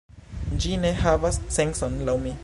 Ĝi ne havas sencon laŭ mi